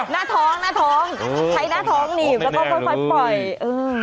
หน้าท้องหน้าท้องใช้หน้าท้องหนีบแล้วก็ค่อยค่อยปล่อยเออ